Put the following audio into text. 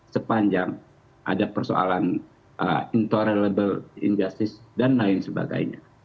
sepanjang ada persoalan inter reliable injustice dan lain sebagainya